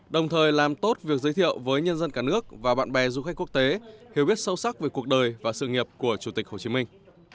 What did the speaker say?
đồng thời làm tốt việc giới thiệu với nhân dân cả nước và bạn bè du khách quốc tế hiểu biết sâu sắc về cuộc đời và sự nghiệp của chủ tịch hồ chí minh